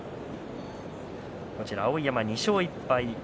碧山、２勝１敗。